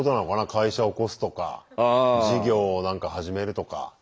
会社起こすとか事業を何か始めるとか。